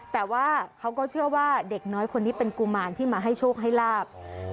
แต่ว่าเขาก็เชื่อว่าเด็กน้อยคนนี้เป็นกุมารที่มาให้โชคให้ลาบ